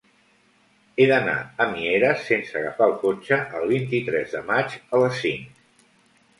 He d'anar a Mieres sense agafar el cotxe el vint-i-tres de maig a les cinc.